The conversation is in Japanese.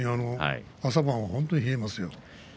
朝晩は本当に冷えますよ。